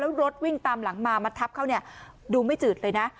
แล้วรถวิ่งตามหลังมามาทับเขาเนี่ยดูไม่จืดเลยนะ